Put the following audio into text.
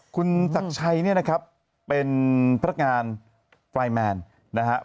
คุณศักดิ์ชัยเป็นพันธการไฟล์แมนนะครับ